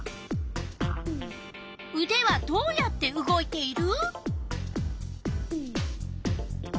うではどうやって動いている？